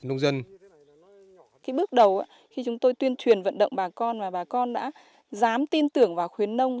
cái bước đầu khi chúng tôi tuyên truyền vận động bà con và bà con đã dám tin tưởng vào khuyến nông